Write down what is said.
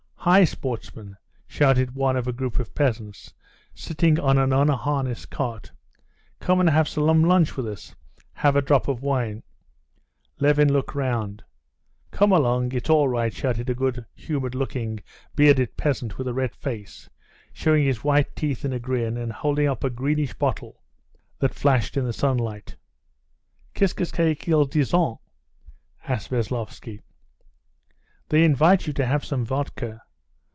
"Hi, sportsmen!" shouted one of a group of peasants, sitting on an unharnessed cart; "come and have some lunch with us! Have a drop of wine!" Levin looked round. "Come along, it's all right!" shouted a good humored looking bearded peasant with a red face, showing his white teeth in a grin, and holding up a greenish bottle that flashed in the sunlight. "Qu'est ce qu'ils disent?" asked Veslovsky. "They invite you to have some vodka.